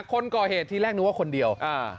คนก่อเหตุทีแรกนึกว่าคนเดียว